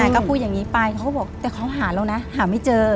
ก็พูดอย่างนี้ไปเขาก็บอกแต่เขาหาแล้วนะหาไม่เจอ